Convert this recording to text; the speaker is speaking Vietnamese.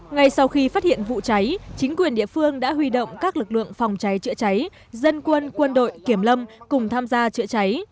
ngay sau khi phát hiện vụ cháy chính quyền địa phương đã huy động các lực lượng phòng cháy chữa cháy dân quân quân đội kiểm lâm cùng tham gia chữa cháy